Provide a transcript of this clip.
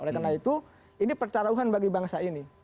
oleh karena itu ini percarauhan bagi bangsa ini